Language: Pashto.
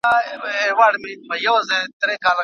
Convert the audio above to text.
د قران په احکامو عمل وکړئ.